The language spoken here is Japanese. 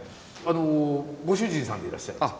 ご主人さんでいらっしゃいますか？